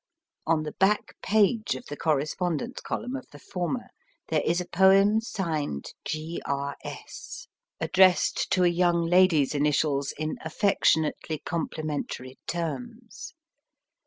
On the back page of the correspondence column of the former there is a poem signed G. R. S., addressed to a young lady s initials in affectionately complimentary terms.